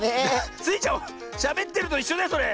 スイちゃんしゃべってるといっしょだよそれ。